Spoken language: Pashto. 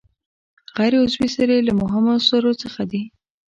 غیر عضوي سرې له مهمو سرو څخه دي.